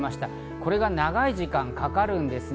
これが長い時間かかるんですね。